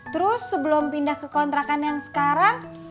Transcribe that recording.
terus sebelum pindah ke kontrakan yang sekarang